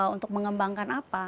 untuk mengembangkan apa